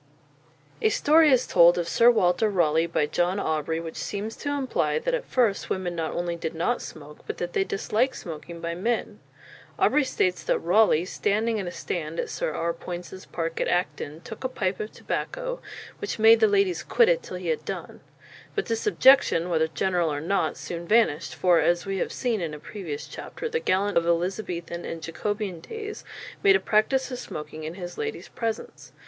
A story is told of Sir Walter Raleigh by John Aubrey which seems to imply that at first women not only did not smoke, but that they disliked smoking by men. Aubrey says that Raleigh "standing in a stand at Sir R. Poyntz's parke at Acton, tooke a pipe of tobacco, which made the ladies quitt it till he had done." But this objection, whether general or not, soon vanished, for, as we have seen in a previous chapter, the gallant of Elizabethan and Jacobean days made a practice of smoking in his lady's presence.